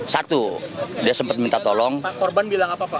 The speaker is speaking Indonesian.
satu dia sempat minta tolong